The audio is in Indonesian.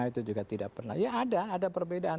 ya ada perbedaan